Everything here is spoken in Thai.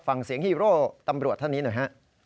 ฟังเสียงฮีโร่ตำรวจท่านนี้หน่อยฮะ